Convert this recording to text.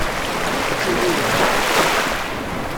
Tirez, les gars !